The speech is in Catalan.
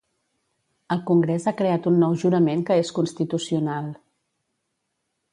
El Congrés ha creat un nou jurament que és constitucional.